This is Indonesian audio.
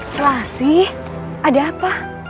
selasih ada apa